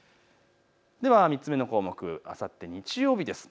３つ目の項目、あさって日曜日です。